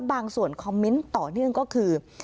บางส่วนคอมเมนต์ต่อเนื่องก็คือ